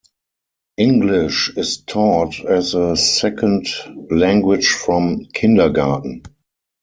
English is taught as a second language from kindergarten.